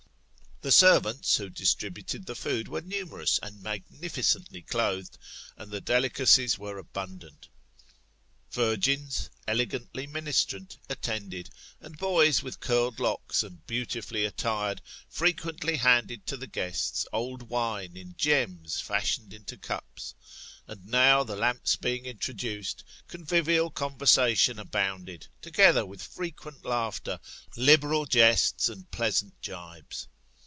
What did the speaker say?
The servants who distributed the food, were numerous and magnificently clothed; and the delicacies were abundant Virgins, elegantly ministrant, attended ; and boys with curled Ipcks, and beautifully attired, frequently handed to the guests old wine in gems fashioned into cups. And now, the lamps being introduced, convivial conversation abounded, together with frequent laughter, liberal jests, and pleasant gibes.